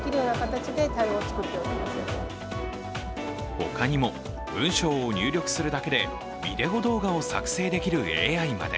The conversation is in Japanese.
ほかにも文章を入力するだけでビデオ動画を作成できるＡＩまで。